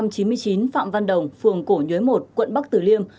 đường năm trăm chín mươi chín phạm văn đồng phường cổ nhuế một quận bắc từ liêm